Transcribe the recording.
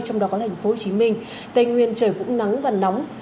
trong đó có thành phố hồ chí minh tây nguyên trời cũng nắng và nóng